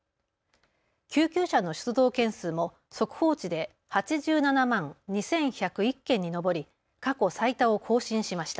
救急車の出動件数も速報値で８７万２１０１件に上り過去最多を更新しました。